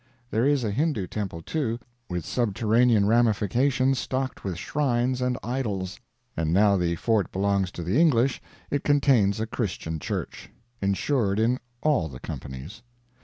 There is a Hindoo temple, too, with subterranean ramifications stocked with shrines and idols; and now the Fort belongs to the English, it contains a Christian Church. Insured in all the companies.